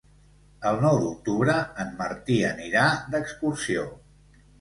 El nou d'octubre en Martí anirà d'excursió.